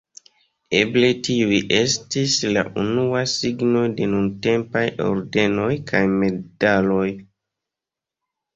Eble tiuj estis la unuaj signoj de nuntempaj ordenoj kaj medaloj.